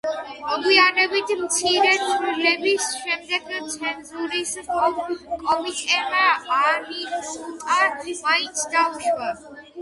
მოგვიანებით, მცირე ცვლილების შემდეგ ცენზურის კომიტეტმა „ანიუტა“ მაინც დაუშვა.